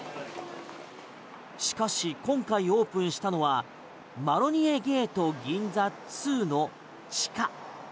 しかし今回オープンしたのはマロニエゲート銀座２の地下。